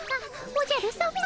おじゃるさま。